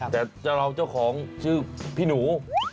แต่เจ้าของชื่อพี่หนู